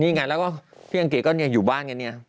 นี่ไงแล้วก็พี่อังเกดก็ยังอยู่บ้านกันเนี่ย